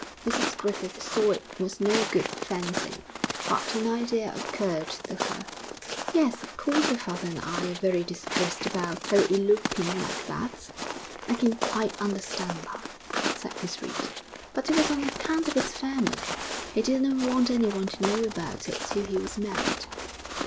Mrs Griffith saw it was no good fencing, but an idea occurred to her. 'Yes, of course her father and I are very distressed about her eloping like that.' 'I can quite understand that,' said Miss Reed. 'But it was on account of his family. He didn't want anyone to know about it till he was married.'